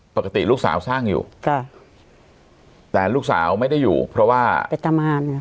ปกติลูกสาวสร้างอยู่ค่ะแต่ลูกสาวไม่ได้อยู่เพราะว่าไปตามมาร